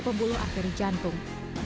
pembuluh arteri jantung